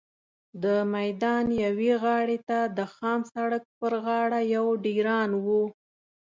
د میدان یوې غاړې ته د خام سړک پر غاړه یو ډېران و.